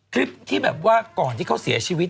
คลิปที่แบบว่าก่อนที่เขาเสียชีวิต